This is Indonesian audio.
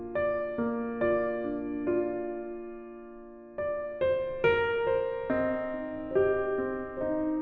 belum aja deh bang